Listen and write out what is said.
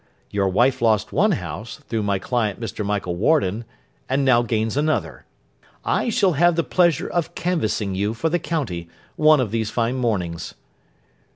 Your wife lost one house, through my client Mr. Michael Warden; and now gains another. I shall have the pleasure of canvassing you for the county, one of these fine mornings.